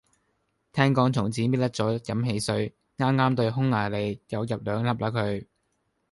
聽講從此搣甩咗飲汽水，啱啱對匈牙利又入兩粒嘞佢